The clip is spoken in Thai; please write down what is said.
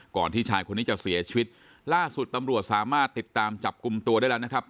ที่ชายคนนี้จะเสียชีวิตล่าสุดตำรวจสามารถติดตามจับกลุ่มตัวได้แล้วนะครับ